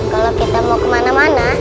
kalau kita mau kemana mana